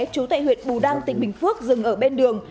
chú tại huyện bù đăng tỉnh bình phước dừng ở bên đường